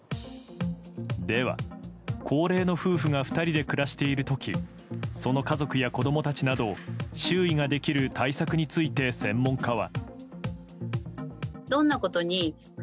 では、高齢の夫婦が２人で暮らしている時その家族や子供たちなどを周囲ができる対策について専門家は。